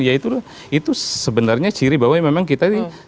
ya itu sebenarnya ciri bahwa memang kita ini